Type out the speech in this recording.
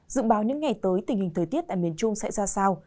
dự báo những ngày tới tình hình thời tiết tại miền trung sẽ ra sao